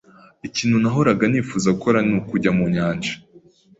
Ikintu nahoraga nifuza gukora ni ukujya mu nyanja.